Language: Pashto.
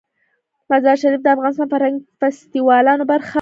مزارشریف د افغانستان د فرهنګي فستیوالونو برخه ده.